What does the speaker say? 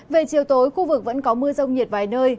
về chiều tối khu vực vẫn có mưa rông nhiệt vài nơi